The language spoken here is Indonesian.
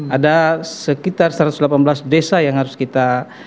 ada sekitar satu ratus delapan belas desa yang harus kita